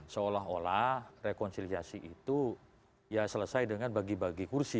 seolah olah rekonsiliasi itu ya selesai dengan bagi bagi kursi